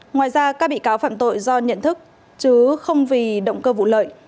ngoài ra các bị cáo phạm tội do nhận thức chứ không vì động cơ vụ lợi